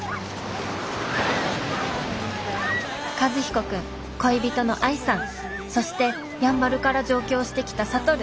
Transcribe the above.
和彦君恋人の愛さんそしてやんばるから上京してきた智。